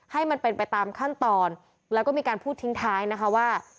ให้มันเป็นไปตามขั้นตอนแล้วก็มีการพูดทิ้งท้ายนะคะว่า